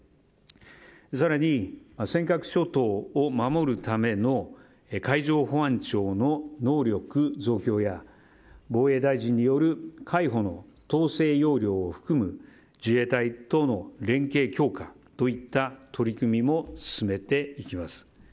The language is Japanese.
更に、尖閣諸島を守るための海上保安庁の能力増強や防衛大臣による海保の統制要領を含む自衛隊等の連携強化といった取り組みも進めていきます。